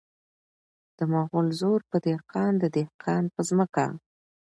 د مغل زور په دهقان د دهقان په ځمکه .